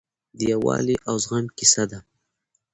د یووالي او زغم کیسه ده.